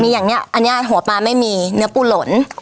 อย่างนี้อันนี้หัวปลาไม่มีเนื้อปูหล่น